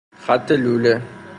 خط لوله